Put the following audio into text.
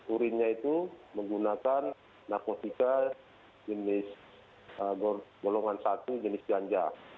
urinnya itu menggunakan narkotika jenis golongan satu jenis ganja